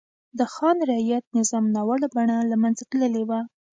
د خان رعیت نظام ناوړه بڼه له منځه تللې وه.